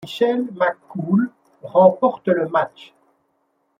Michelle McCool remporte le match.